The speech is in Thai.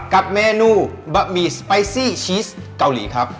กับเมนูบะหมี่สไปซี่ชีสเกาหลีครับ